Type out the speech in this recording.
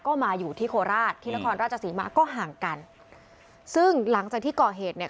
ก็มาอยู่ที่โคราชที่นครราชสีมาก็ห่างกันซึ่งหลังจากที่ก่อเหตุเนี่ย